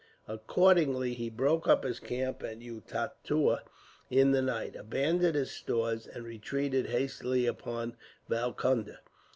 Accordingly, he broke up his camp at Utatua in the night, abandoned his stores, and retreated hastily upon Valconda.